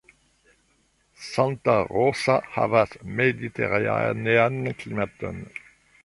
Santa Rosa havas mediteranean klimaton.